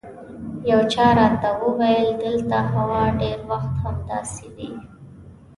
یو چا راته وویل دلته هوا ډېر وخت همداسې وي.